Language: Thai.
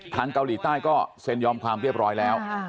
เกาหลีใต้ก็เซ็นยอมความเรียบร้อยแล้ว